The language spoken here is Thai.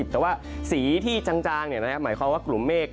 แต่ว่าสีที่จางหมายความว่ากลุ่มเมฆ